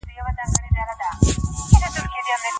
په لاس لیکل د فکرونو د ساتلو خوندي لاره ده.